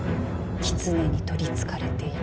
狐に取りつかれている。